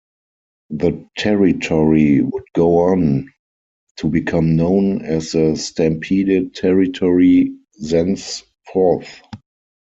The territory would go on to become known as the Stampede territory thenceforth.